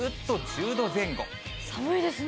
寒いですね。